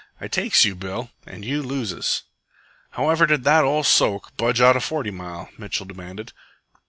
"I takes you, Bill, an' you loses." "However did that ol' soak budge out of Forty Mile?" Mitchell demanded.